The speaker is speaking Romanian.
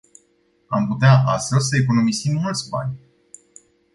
Am putea astfel să economisim mulți bani.